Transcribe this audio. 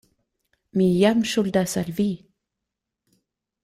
Mi jam ŝuldas al vi.